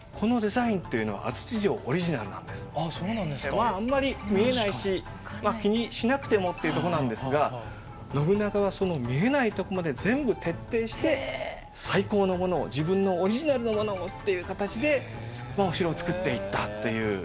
まああんまり見えないし気にしなくてもっていうとこなんですが信長はその見えないとこまで全部徹底して最高のものを自分のオリジナルのものをっていう形でお城を造っていったという。